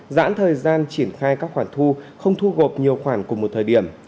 giãn thời gian triển khai các khoản thu không thu gộp nhiều khoản cùng một thời điểm